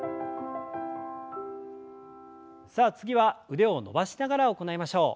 さあ次は腕を伸ばしながら行いましょう。